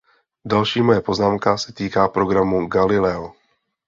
Další moje poznámka se týká programu Galileo.